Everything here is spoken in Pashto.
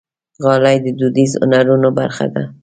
غالۍ د دودیزو هنرونو برخه ده.